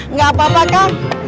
nggak apa apa kak